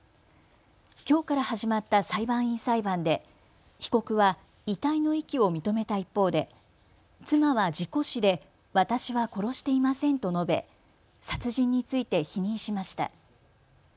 きょうから始まった裁判員裁判で被告は遺体の遺棄を認めた一方で妻は事故死で私は殺していませんと述べ、殺人について否認しました。